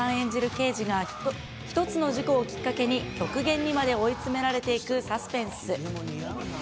刑事が１つの事故をきっかけに極限にまで追い詰められていくサスペンス。